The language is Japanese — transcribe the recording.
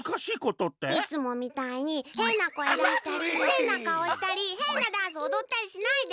いつもみたいにへんなこえだしたりへんなかおしたりへんなダンスおどったりしないで。